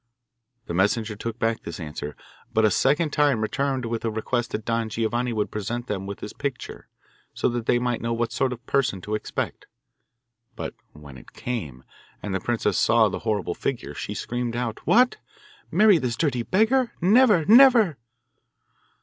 The messenger took back this answer, but a second time returned with the request that Don Giovanni would present them with his picture, so that they might know what sort of a person to expect. But when it came, and the princess saw the horrible figure, she screamed out, 'What! marry this dirty beggar? Never, never!